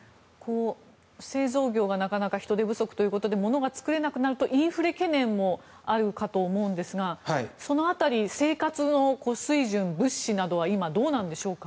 製造業がなかなか人手不足ということで物が作れなくなるとインフレ懸念もあるかと思うんですがその辺り生活水準、物資などは今、どうなんでしょうか？